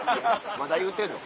まだ言うてんの？